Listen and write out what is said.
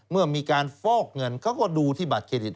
เมื่อมีการฟอกเงินเขาก็ดูที่บัตรเครดิต